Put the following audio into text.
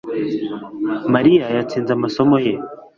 Mariya yatsinze amasomo ye